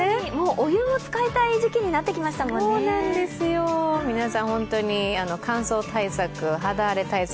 お湯も使いたい時期になってきましたものね皆さん、本当に乾燥対策、肌荒れ対策